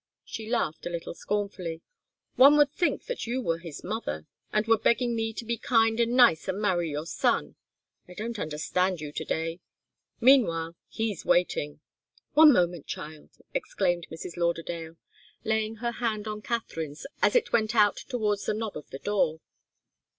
She laughed a little scornfully. "One would think that you were his mother, and were begging me to be kind and nice and marry your son. I don't understand you to day. Meanwhile, he's waiting." "One moment, child!" exclaimed Mrs. Lauderdale, laying her hand on Katharine's as it went out towards the knob of the door.